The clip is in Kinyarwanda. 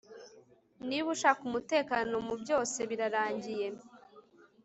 niba ushaka umutekano mu byose birarangiye